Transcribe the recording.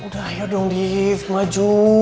udah ayo dong di maju